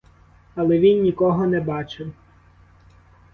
Але він нікого не бачив.